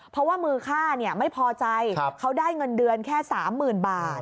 เพราะว่ามือฆ่าไม่พอใจเขาได้เงินเดือนแค่๓๐๐๐บาท